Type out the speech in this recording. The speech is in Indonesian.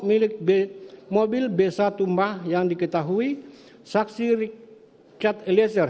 milik mobil b satumah yang diketahui saksi richard eliezer